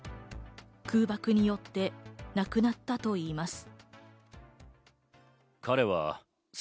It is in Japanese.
空爆によって亡くなったといいます。